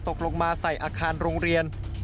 ตกลงมาใส่อาคารโรงเรียน